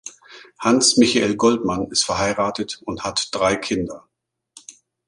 Hans-Michael Goldmann ist verheiratet und hat drei Kinder.